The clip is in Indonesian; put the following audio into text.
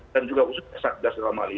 dan juga usaha